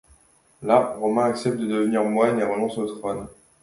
Là, Romain accepte de devenir moine et renonce au trône.